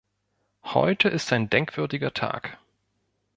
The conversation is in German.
Heute ist ein denkwürdiger Tag.